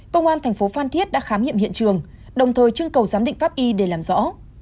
công an thành phố phan thiết đã khám nghiệm hiện trường đồng thời chưng cầu giám định pháp y để làm rõ